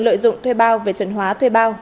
lợi dụng thuê bao về chuẩn hóa thuê bao